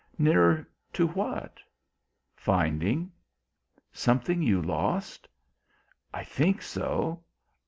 "Nearer to what?" "Finding." "Something you lost?" "I think so.